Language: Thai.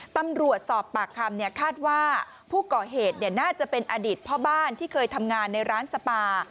ตำรวจสอบปากคำคาดว่าผู้ก่อเหตุน่าจะเป็นอดีตพ่อบ้านที่เคยทำงานในร้านสปา